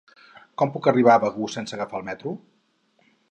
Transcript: Com puc arribar a Begur sense agafar el metro?